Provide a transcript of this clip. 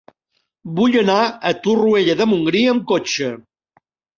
Vull anar a Torroella de Montgrí amb cotxe.